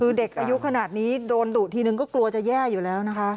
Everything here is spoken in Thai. คือเด็กอายุขนาดนี้โดนดุทีนึงก็กลัวจะแย่อยู่แล้วนะคะ